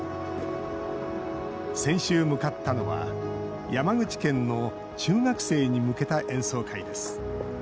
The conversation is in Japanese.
先週、向かったのは山口県の中学生に向けた演奏会です